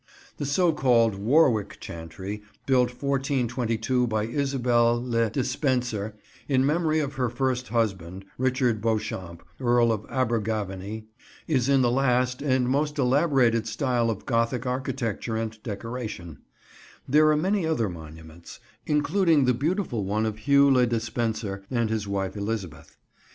[Picture: High Street, Tewkesbury] The so called "Warwick" chantry, built 1422 by Isabel le Despencer in memory of her first husband, Richard Beauchamp, Earl of Abergavenny, is in the last, and most elaborated style of Gothic architecture and decoration. There are many other monuments: including the beautiful one of Hugh le Despencer and his wife Elizabeth.